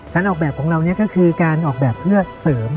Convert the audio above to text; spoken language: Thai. การออกแบบของเราก็คือการออกแบบเพื่อเสริม